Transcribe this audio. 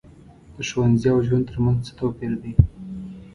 د ښوونځي او ژوند تر منځ څه توپیر دی.